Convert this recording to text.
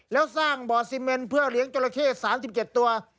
แล้วสร้างบ่อซีเมนเพื่อเลี้ยงจราเข้๓๗ตัว